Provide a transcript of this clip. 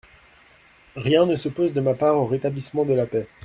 »Rien ne s'oppose de ma part au rétablissement de la paix.